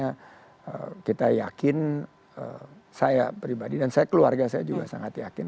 karena kita yakin saya pribadi dan saya keluarga saya juga sangat yakin